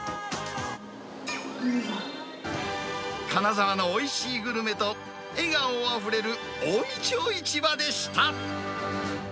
金沢のおいしいグルメと、笑顔あふれる近江町市場でした。